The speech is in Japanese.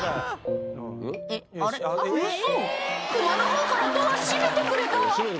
「えっあれ？ウソ」「クマの方からドア閉めてくれた」